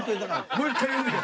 もう一回読んで。